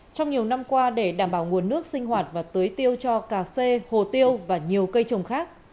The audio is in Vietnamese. trong nhiều năm qua để đảm bảo nguồn nước sinh hoạt và tưới tiêu cho cà phê hồ tiêu và nhiều cây trồng khác